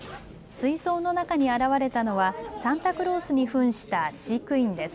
水槽の中に現れたのはサンタクロースにふんした飼育員です。